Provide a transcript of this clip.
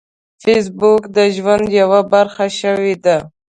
فېسبوک د ژوند یوه برخه شوې ده